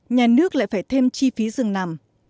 nhà nước lại phải thêm chi phí dừng nằm